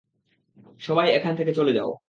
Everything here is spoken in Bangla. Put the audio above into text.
সবাই, এখান থেকে চলে যাও।